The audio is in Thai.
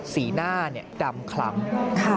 สีหน้าดำคล้ำ